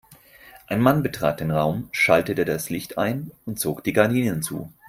Ein Mann betrat den Raum, schaltete das Licht ein und zog die Gardinen zu.